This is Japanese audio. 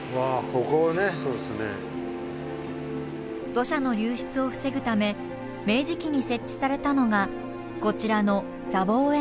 土砂の流失を防ぐため明治期に設置されたのがこちらの砂防堰堤。